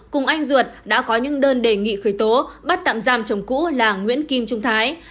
cùng anh ruột đã có những đơn đề nghị khởi tố bắt tạm giam chồng cũ là nguyễn kim trung thái